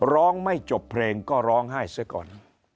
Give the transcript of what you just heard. ร้องไม่จบเพลงก็ร้องไห้ซะก่อน